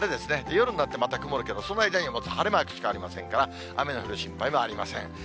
夜になってまた曇るけど、その間に晴れマークしかありませんから、雨の降る心配もありません。